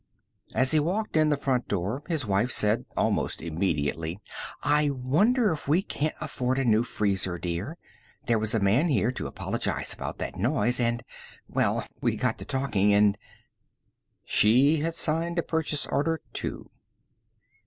As he walked in the front door, his wife said almost immediately, "I wonder if we can't afford a new freezer, dear. There was a man here to apologize about that noise and well, we got to talking and " She had signed a purchase order, too.